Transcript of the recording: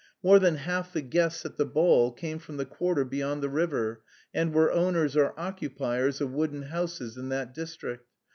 More than half the guests at the ball came from the quarter beyond the river, and were owners or occupiers of wooden houses in that district.